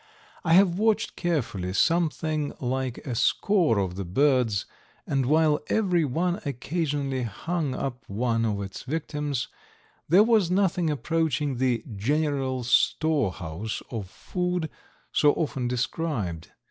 I have watched carefully something like a score of the birds, and while every one occasionally hung up one of its victims, there was nothing approaching the "general storehouse" of food, so often described.